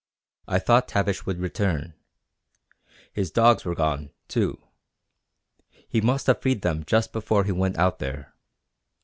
I thought Tavish would return. The dogs were gone, too. He must have freed them just before he went out there.